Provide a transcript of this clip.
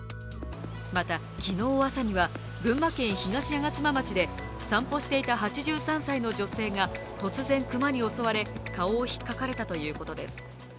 また、昨日朝には群馬県東吾妻町で散歩していた８３歳の女性が突然熊に襲われ、顔をひっかかれたということです。